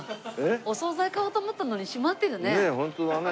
お総菜買おうと思ったのに閉まってるね。